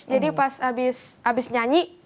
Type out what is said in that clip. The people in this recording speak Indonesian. jadi pas habis nyanyi